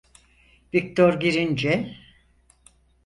Viktor girince: